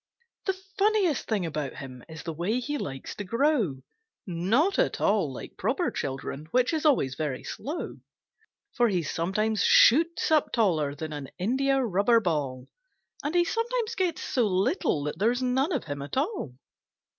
The funniest thing about him is the way he likes to grow— Not at all like proper children, which is always very slow; For he sometimes shoots up taller like an india rubber ball, And he sometimes gets so little that there's none of him at all.